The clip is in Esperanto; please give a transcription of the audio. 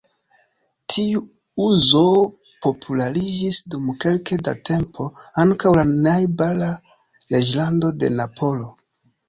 Tiu uzo populariĝis, dum kelke da tempo, ankaŭ en la najbara "Reĝlando de Napolo".